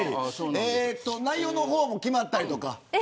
内容の方も決まったりとか。